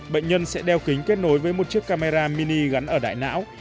bệnh nhân sẽ đeo kính kết nối với một chiếc camera mini gắn ở đại não